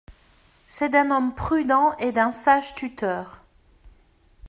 C’est d’un homme prudent et d’un sage tuteur.